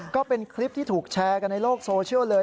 ก็เป็นคลิปที่ถูกแชร์กันในโลกโซเชียลเลย